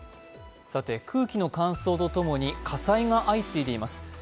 空気の乾燥とともに火災が相次いでいます。